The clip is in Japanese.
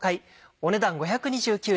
お値段５２９円。